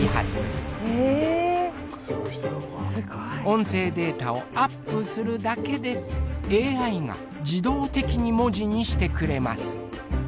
音声データをアップするだけでＡＩが自動的に文字にしてくれます。